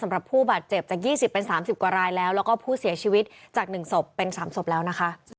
สำหรับผู้บาดเจ็บจากยี่สิบเป็นสามสิบกว่ารายแล้วแล้วก็ผู้เสียชีวิตจากหนึ่งศพเป็นสามศพแล้วนะคะ